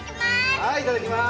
はいいただきまーす！